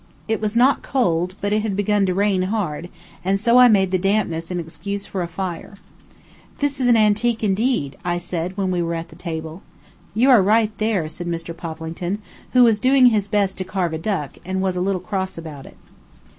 It was not cold, but it had begun to rain hard, and so I made the dampness an excuse for a fire. "This is antique, indeed," I said, when we were at the table. "You are right there," said Mr. Poplington, who was doing his best to carve a duck, and was a little cross about it.